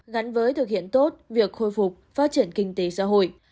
gắn với thực hiện tốt việc khôi phục phát triển kinh tế xã hội